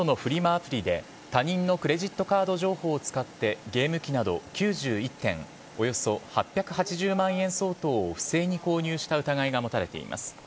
アプリで他人のクレジットカード情報を使って、ゲーム機など９１点、およそ８８０万円相当を不正に購入した疑いが持たれています。